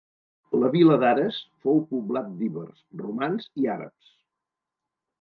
La vila d'Ares fou poblat d'ibers, romans i àrabs.